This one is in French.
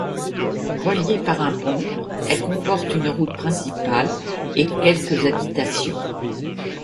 Reliée par un pont, elle comporte une route principale et quelques habitations.